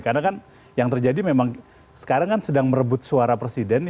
karena kan yang terjadi memang sekarang kan sedang merebut suara presiden